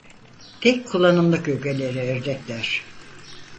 Tek kullanımlık öğelere örnekler: